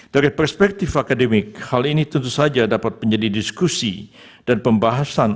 dari perspektif akademik hal ini tentu saja dapat menjadi diskusi dan pembahasan